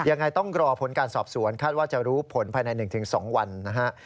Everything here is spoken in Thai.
ยังไงต้องรอผลการสอบสวนคาดว่าจะรู้ผลภายใน๑๒วันนะฮะ